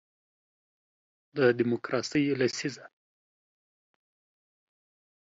د دیموکراسۍ لسیزه